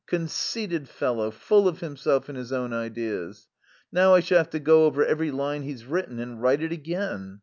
Conceited fellow, full of himself and his own ideas. Now I shall have to go over every line he's written and write it again.